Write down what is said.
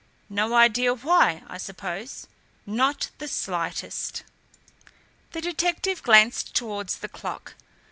No idea why, I suppose?" "Not the slightest." The detective glanced towards the clock.